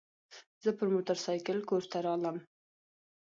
زه پر موترسایکل کور ته رالم.